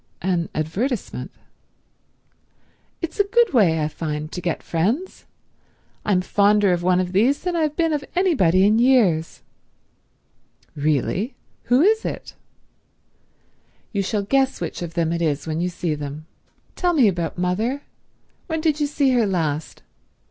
"An advertisement?" "It's a good way, I find, to get friends. I'm fonder of one of these than I've been of anybody in years." "Really? Who is it?" "You shall guess which of them it is when you see them. Tell me about mother. When did you see her last?